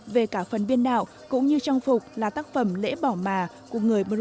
về cả phần viên đạo cũng như trang phục là tác phẩm lễ bỏ mà của người mru vân kiều